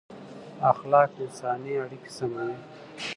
اخلاق انساني اړیکې سموي